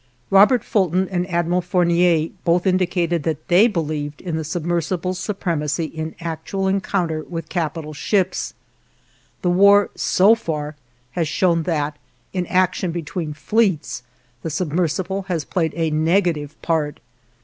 Robert Fulton and Admiral Fournier both indicated that they believed in the submersible's supremacy in actual encounter with capital ships. The war, so far, has shown that, in action between fleets, the submersible has played a negative part.